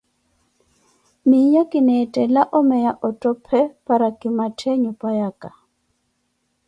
Miiyo kinetthela omeya ottophe para ki matthe nyupayaka.